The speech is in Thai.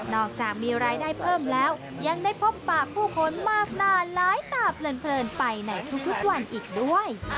อกจากมีรายได้เพิ่มแล้วยังได้พบปากผู้คนมากหน้าหลายตาเพลินไปในทุกวันอีกด้วย